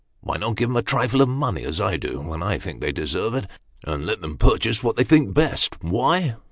Why not give 'em a trifle of money, as I do, when 1 think they deserve it, and let them purchase what they think best ? Why